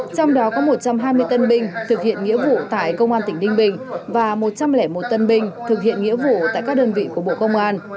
trong đó có một trăm hai mươi tân binh thực hiện nghĩa vụ tại công an tỉnh ninh bình và một trăm linh một tân binh thực hiện nghĩa vụ tại các đơn vị của bộ công an